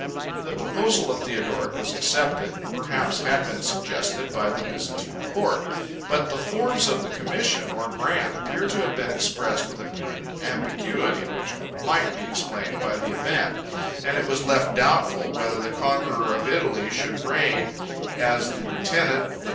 The proposal of Theodoric was accepted, and perhaps had been suggested, by the Byzantine court. But the forms of the commission, or grant, appear to have been expressed with a prudent ambiguity, which might be explained by the event; and it was left doubtful, whether the conqueror of Italy should reign as the lieutenant, the vassal, or the ally, of the emperor of the East.